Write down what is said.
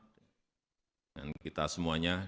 dengan kita semuanya